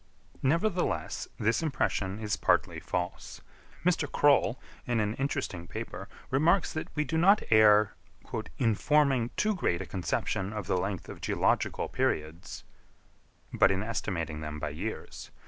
Nevertheless this impression is partly false. Mr. Croll, in an interesting paper, remarks that we do not err "in forming too great a conception of the length of geological periods," but in estimating them by years.